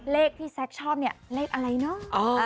เลขที่แซคชอบเนี่ยเลขอะไรเนอะ